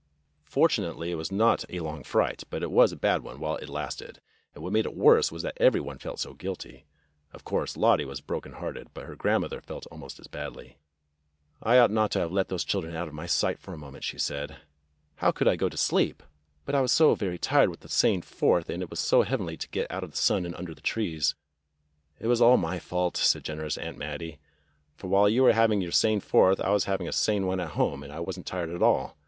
Fortunately it was not a long fright, but it was a bad one while it lasted, and what made it worse was that every one felt so guilty. Of course, Lottie was broken hearted, but her grandmother felt almost as badly. "I ought not to have let those children out of my sight for a moment," she said. "How could I go to sleep! But I was so very tired with the sane Fourth, and it was so heavenly to get out of the sun and under the trees." It was all my fault," said generous Aunt Mattie, "for while you were having your sane Fourth I was having a safe one at home, and I was n't tired at all.